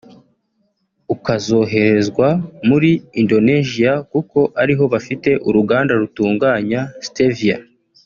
ukazoherezwa muri Indonesia kuko ari ho bafite uruganda rutunganya Stevia